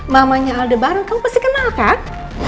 mamanya aldebaran kamu pasti kenal kan